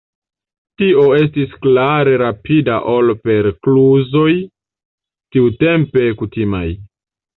Tio estis klare rapida ol per kluzoj tiutempe kutimaj.